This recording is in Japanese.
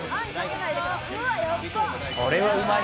これはうまい。